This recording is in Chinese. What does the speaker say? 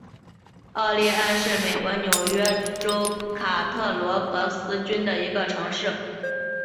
奥利安是美国纽约州卡特罗格斯郡的一个城市。